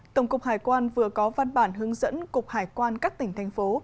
tổng cục hải quan vừa có văn bản hướng dẫn cục hải quan các tỉnh thành phố